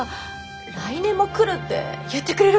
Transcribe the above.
「来年も来る」って言ってくれるかも！